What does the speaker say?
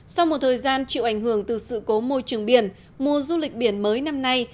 sau một thời gian chịu ảnh hưởng từ sự cố môi trường biển mùa du lịch biển mới năm nay